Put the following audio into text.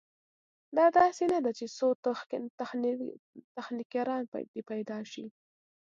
دا داسې نه ده چې څو تخنیکران دې پیدا شي.